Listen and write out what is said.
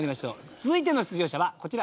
続いての出場者はこちら。